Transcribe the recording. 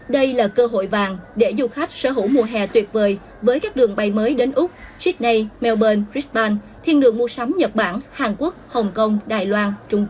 đây là cơ hội vàng để du khách sở hữu mùa hè tuyệt vời với các đường bay mới đến úc sydney melbourne risban thiên đường mua sắm nhật bản hàn quốc hồng kông đài loan trung quốc